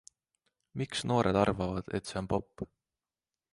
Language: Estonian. Miks noored arvavad, et see on pop?